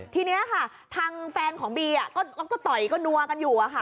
ทีนี้นะคะทางแฟนของบีอ่ะก็ต่อยก็นัวกันอยู่อ่ะค่ะ